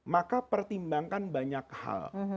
maka pertimbangkan banyak hal